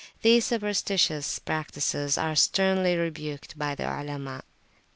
These superstitious practices are sternly rebuked by the Olema.